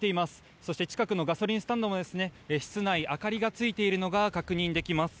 そして近くのガソリンスタンドも室内、明かりがついているのが確認できます。